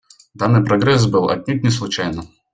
Данный прогресс был отнюдь не случайным.